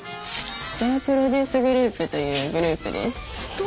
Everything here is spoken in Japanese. ストアプロデュースグループというグループです。